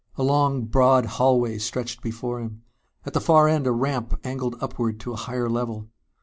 A long broad hallway stretched before him. At the far end a ramp angled upward to a higher level.